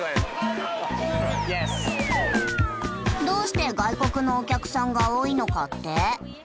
どうして外国のお客さんが多いのかって？